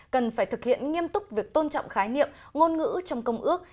cần phải thực hiện nghiêm túc việc tôn trọng khái niệm ngôn ngữ trong công ước